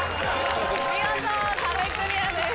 見事壁クリアです。